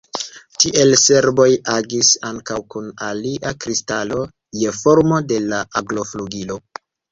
Tiel serboj agis ankaŭ kun alia kristalo, je formo de la agloflugilo.